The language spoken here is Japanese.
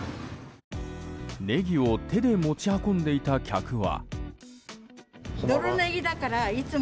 ネギを手で持ち運んでいた客は。